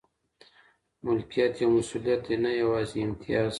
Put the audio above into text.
ملکیت یو مسوولیت دی نه یوازي امتیاز.